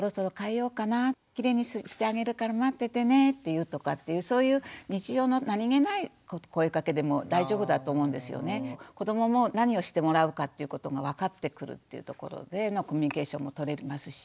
きれいにしてあげるから待っててね」って言うとかっていうそういう子どもも何をしてもらうかっていうことが分かってくるっていうところでコミュニケーションもとれますし。